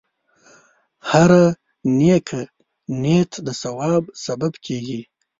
هره نیکه نیت د ثواب سبب کېږي.